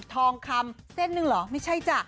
ทองคำเส้นหนึ่งเหรอไม่ใช่จ้ะ